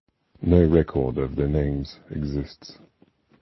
No record of their names exists.